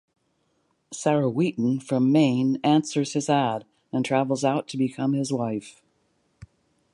Sarah Wheaton, from Maine, answers his ad and travels out to become his wife.